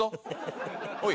おい。